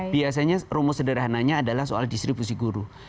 biasanya rumus sederhananya adalah soal distribusi guru